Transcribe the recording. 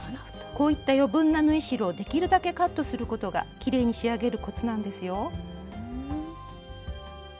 こういった余分な縫い代をできるだけカットすることがきれいに仕上げるコツなんですよ。